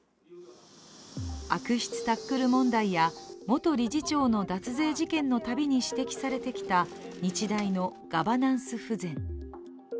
悪質タックル問題や元理事長の脱税事件のたびに指摘されてきた日大のガバナンス不全。